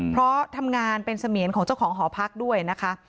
เพราะทำงานเป็นเสมียนของเจ้าของหอพักด้วยนะคะ